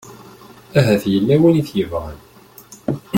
Ahat yella win i t-yebɣan.